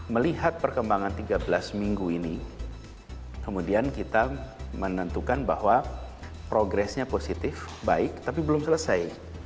melihat perkembangan tiga belas minggu ini kemudian kita menentukan bahwa progresnya positif baik tapi belum selesai